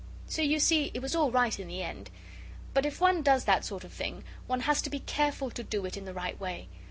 So you see it was all right in the end. But if one does that sort of thing, one has to be careful to do it in the right way.